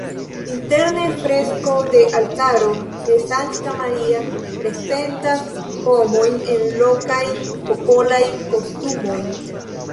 Interne fresko de altaro de Sankta Maria prezentas homojn en lokaj popolaj kostumoj.